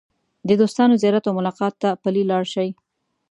د دوستانو زیارت او ملاقات ته پلي لاړ شئ.